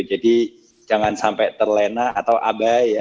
jadi jangan sampai terlena atau abai ya